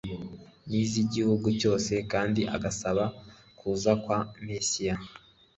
n'iz'igihugu cyose, kandi agasaba kuza kwa Mesiya;